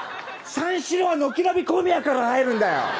三四郎は軒並み小宮から入るんだよ。